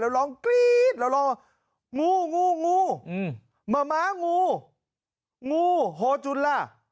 แล้วร้องกรี๊ดแล้วร้องงูงูงูงูมะม้างูงูโฮจุนล่ะ